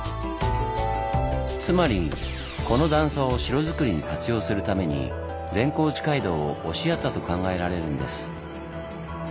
つまりこの段差を城づくりに活用するために善光寺街道を押しやったと考えられるんです。